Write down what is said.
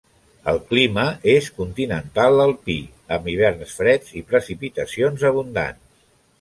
El clima és continental alpí, amb hiverns freds i precipitacions abundants.